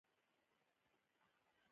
بیا یې په دېکا متره کې هم اندازه کړئ.